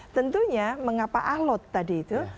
tentunya mengapa alot tadi itu